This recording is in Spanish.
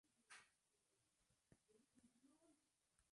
Esta prisión tiene algunos de los criminales más peligrosos de Europa.